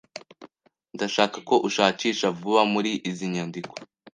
Ndashaka ko ushakisha vuba muri izi nyandiko.